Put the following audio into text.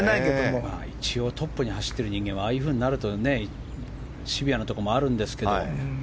一応トップに走っている人間はああいうふうになるとシビアなところもあるんですけど。